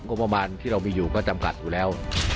ประมาณที่เรามีอยู่ก็จำกัดอยู่แล้ว